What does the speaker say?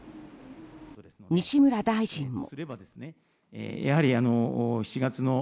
西村大臣も。